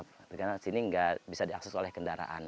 karena sini nggak bisa diakses oleh kendaraan